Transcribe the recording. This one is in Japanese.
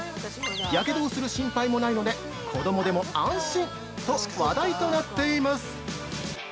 やけどをする心配もないので子どもでも安心！と話題となっています！